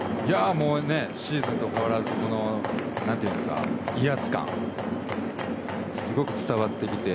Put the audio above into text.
シーズンと変わらず何というか、威圧感がすごく伝わってきてて。